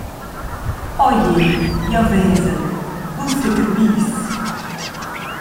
Oje, jeu vesel: Vus secapis.